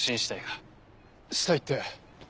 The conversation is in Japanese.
死体って？